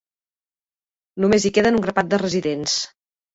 Només hi queden un grapat de residents.